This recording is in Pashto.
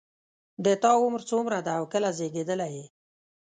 د تا عمر څومره ده او کله زیږیدلی یې